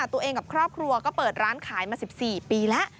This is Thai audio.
กับครอบครัวก็เปิดร้านขายมา๑๔ปีแล้ว